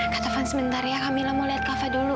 kak tovan sebentar ya kamila mau lihat kak tovan dulu